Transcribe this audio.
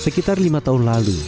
sekitar lima tahun lalu